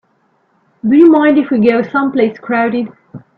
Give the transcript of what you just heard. Do you mind if we go someplace crowded?